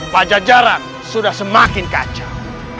pajajaran sudah semakin kacau